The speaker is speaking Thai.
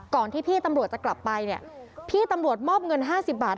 ที่พี่ตำรวจจะกลับไปเนี่ยพี่ตำรวจมอบเงิน๕๐บาท